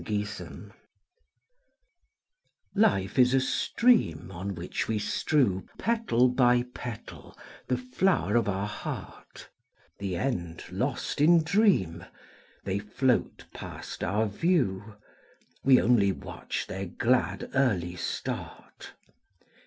Petals Life is a stream On which we strew Petal by petal the flower of our heart; The end lost in dream, They float past our view, We only watch their glad, early start.